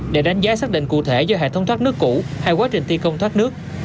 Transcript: để đánh giá xác định cụ thể do hệ thống thoát nước cũ hay quá trình thi công thoát nước